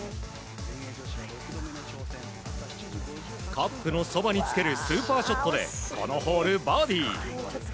カップのそばにつけるスーパーショットでこのホール、バーディー。